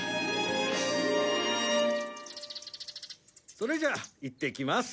それじゃあいってきます。